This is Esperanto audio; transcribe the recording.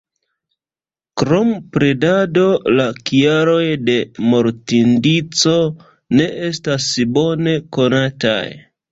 Krom predado la kialoj de mortindico ne estas bone konataj.